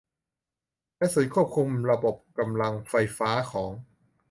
และศูนย์ควบคุมระบบกำลังไฟฟ้าของ